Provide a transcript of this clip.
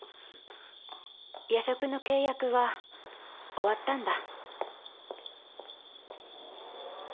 夜食の契約は終わったんだ